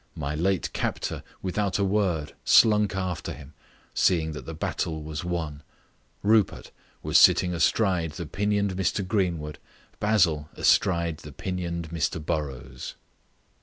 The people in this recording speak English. My late captor, without a word, slunk after him, seeing that the battle was won. Rupert was sitting astride the pinioned Mr Greenwood, Basil astride the pinioned Mr Burrows.